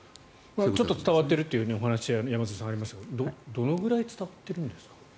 ちょっと伝わっているというお話は山添さん、ありますけどどのくらい伝わっているんですか？